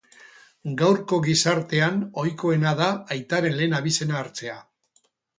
Gaurko gizartean ohikoena da aitaren lehen abizena hartzea.